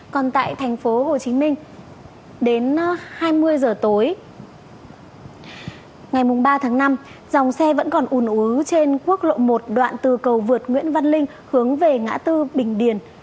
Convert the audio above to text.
còn tại tp hcm đến hai mươi h tối ngày ba tháng năm dòng xe vẫn còn un ứ trên quốc lộ một đoạn từ cầu vượt nguyễn văn linh hướng về ngã tư bình điền